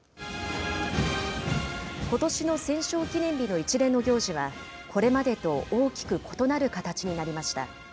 ことしの戦勝記念日の一連の行事は、これまでと大きく異なる形になりました。